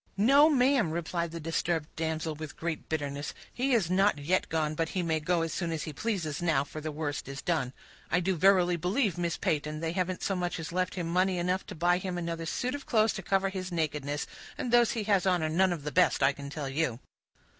"No, ma'am," replied the disturbed damsel, with great bitterness, "he is not yet gone, but he may go as soon as he pleases now, for the worst is done. I do verily believe, Miss Peyton, they haven't so much as left him money enough to buy him another suit of clothes to cover his nakedness, and those he has on are none of the best, I can tell you."